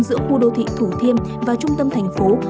giữa khu đô thị thủ thiêm và trung tâm thành phố